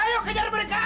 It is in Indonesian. ayo kejar mereka